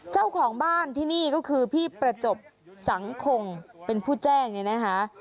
เจ้าของบ้านที่นี่ก็คือพี่ประจบสังคมเป็นผู้แจ้งเนี่ยนะคะ